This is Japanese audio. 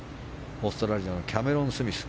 オーストラリアのキャメロン・スミス